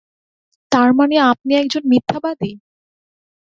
তারমানে আপনি একজন মিথ্যাবাদী।